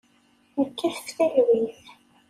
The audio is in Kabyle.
Nekkat ɣef talwit.